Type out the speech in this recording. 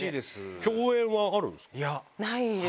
共演はあるんですか？